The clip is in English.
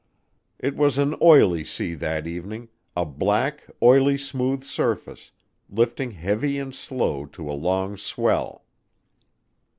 It was an oily sea that evening a black, oily smooth surface, lifting heavy and slow to a long swell.